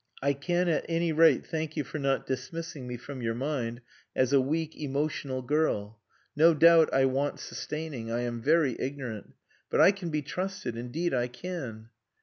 "I can, at any rate, thank you for not dismissing me from your mind as a weak, emotional girl. No doubt I want sustaining. I am very ignorant. But I can be trusted. Indeed I can!"